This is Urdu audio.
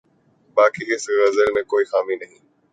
باقی اس غزل میں کوئی اور خامی نہیں۔